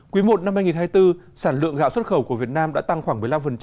quý i năm hai nghìn hai mươi bốn sản lượng gạo xuất khẩu của việt nam đã tăng khoảng một mươi năm